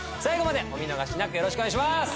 最後までお見逃しなくよろしくお願いします